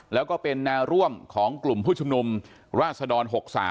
แล้วก็เป็นแนวร่วมของกลุ่มผู้ชุมนุมราชดร๖๓